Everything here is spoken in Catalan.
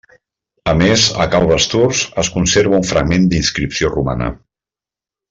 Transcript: A més, a Cal Basturs es conserva un fragment d'inscripció romana.